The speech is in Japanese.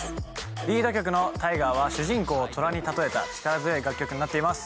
リード曲の「Ｔｉｇｅｒ」は主人公を虎に例えた力強い曲になっています。